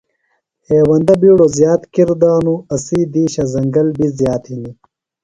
ہیوندہ بِیڈوۡ زِیات کِر دانُوۡ۔ اسی دِیشہ زنگل بیۡ زیات ہِنیۡ۔